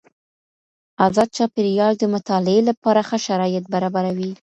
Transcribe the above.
ازاد چاپیریال د مطالعې لپاره ښه شرايط برابروي.